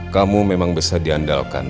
kamu memang bisa diandalkan